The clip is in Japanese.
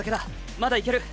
まだいける！